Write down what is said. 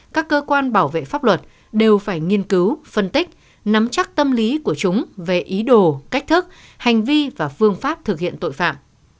các cơ quan bảo vệ pháp luật đều phải nghiên cứu phân tích nắm chắc tâm lý của chúng về ý đồ cách thức hành vi và phương pháp thực hiện tội phạm